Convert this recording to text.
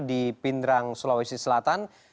di pindrang sulawesi selatan